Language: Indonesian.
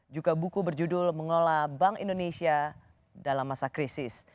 juga buku berjudul mengelola bank indonesia dalam masa krisis